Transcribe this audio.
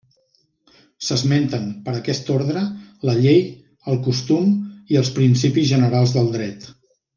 S'esmenten, per aquest ordre, la llei, el costum i els principis generals del dret.